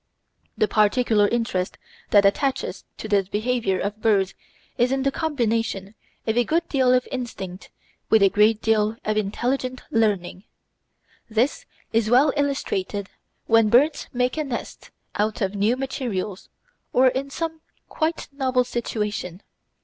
The particular interest that attaches to the behaviour of birds is in the combination of a good deal of instinct with a great deal of intelligent learning. This is well illustrated when birds make a nest out of new materials or in some quite novel situation.